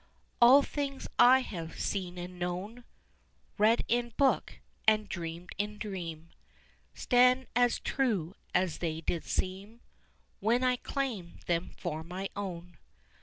All things I have seen and known, Read in book and dreamed in dream, Stand as true as they did seem When I claimed them for my own.